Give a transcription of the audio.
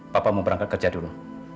bapak mau berangkat kerja dulu